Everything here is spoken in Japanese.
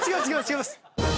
違います！